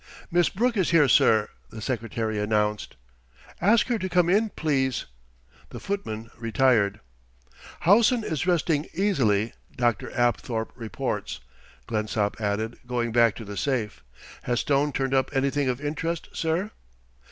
"Miss Brooke is here, sir," the secretary announced. "Ask her to come in, please." The footman retired. "Howson is resting easily, Dr. Apthorp reports," Blensop added, going back to the safe. "Has Stone turned up anything of interest, sir?"